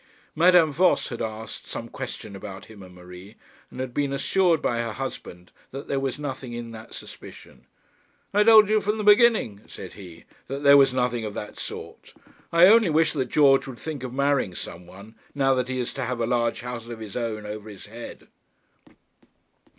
Madame Voss had asked some question about him and Marie, and had been assured by her husband that there was nothing in that suspicion. 'I told you from the beginning,' said he, 'that there was nothing of that sort. I only wish that George would think of marrying some one, now that he is to have a large house of his own over his head.'